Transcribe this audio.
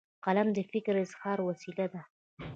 قلم د فکر اظهار وسیله ده.